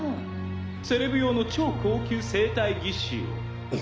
セレブ用の超高級生体義肢を」